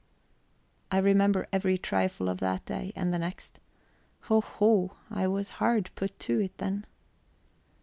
I remember every trifle of that day and the next. Hoho! I was hard put to it then!